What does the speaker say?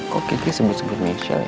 kok kiki sebut sebut nature ya